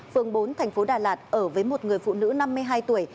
phường bốn tp đà lạt ở với một người phụ nữ năm mươi hai tuổi